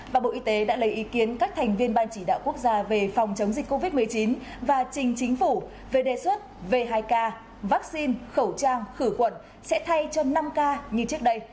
và bộ y tế đã lấy ý kiến các thành viên ban chỉ đạo quốc gia về phòng chống dịch covid một mươi chín và trình chính phủ về đề xuất về hai k vaccine khẩu trang khử khuẩn sẽ thay cho năm ca như trước đây